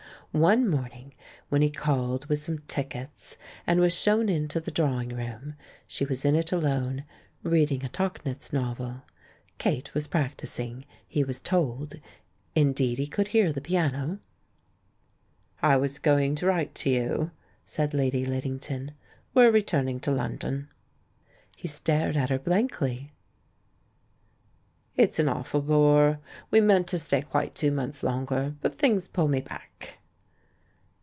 One morning, when he called with some tickets and was shown into the THE BACK OF BOHEMIA SOS drawing room, she was in it alone, reading a Tauchnitz novel. Kate was practising, he was told; indeed, he could hear the piano. "I was going to write to you," said Lady Lid dington; "we're returning to London." He stared at her blankly. "It's an awful bore; we meant to stay quite two months longer. But things pull me back."